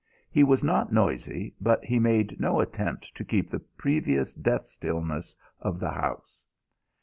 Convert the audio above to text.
He was not noisy, but he made no attempt to keep the previous death stillness of the house.